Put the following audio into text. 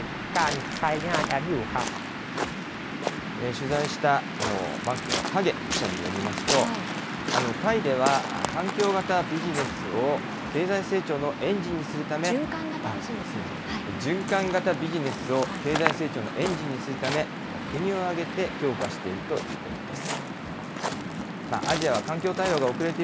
取材したバンコクの影記者によりますと、タイでは環境型ビジネスを成長のエンジンにするため、循環型ビジネスを経済成長のエンジンにするため、国を挙げて強化しているということです。